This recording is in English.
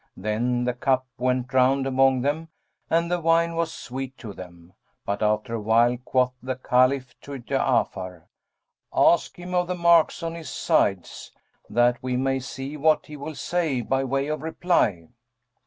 Then the cup went round among them and the wine was sweet to them; but, after a while quoth the Caliph to Ja'afar, "Ask him of the marks on his sides, that we may see what he will say by way of reply."